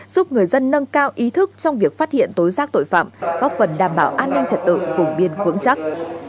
giúp người dân nâng cao ý thức trong việc phát hiện tối giác tội phạm góp phần đảm bảo an ninh trật tự vùng biên vững chắc